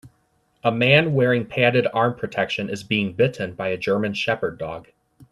A man wearing padded arm protection is being bitten by a German shepherd dog.